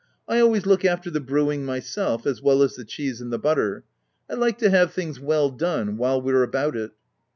I al ways look after the brewing myself, as well as the cheese and the butter — I like to have things well done, while we're about it."